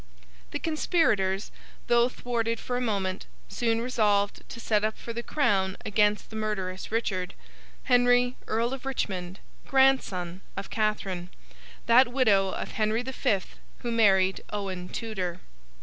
The conspirators, though thwarted for a moment, soon resolved to set up for the crown against the murderous Richard, Henry Earl of Richmond, grandson of Catherine: that widow of Henry the Fifth who married Owen Tudor.